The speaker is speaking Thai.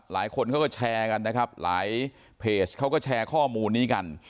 หลายคนเขาก็แชร์กันนะครับหลายเพจเขาก็แชร์ข้อมูลนี้กัน